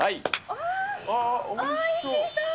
あー、おいしそう。